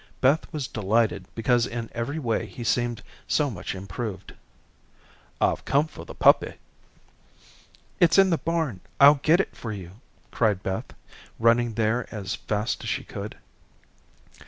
Beth was delighted because in every way he seemed so much improved. "I've come for the puppy." "It's in the barn, I'll get it for you," cried Beth, running there as fast as she could.